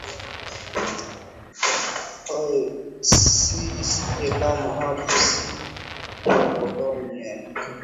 ue isije kama hapa sio koloni ya nini